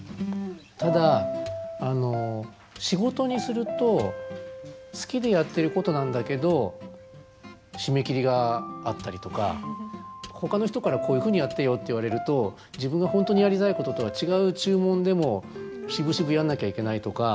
ただ仕事にすると好きでやっていることなんだけど締め切りがあったりとかほかの人からこういうふうにやってよって言われると自分が本当にやりたいこととは違う注文でもしぶしぶやんなきゃいけないとか。